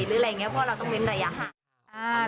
หรืออะไรอย่างนี้เพราะเราต้องเว้นระยะห่าง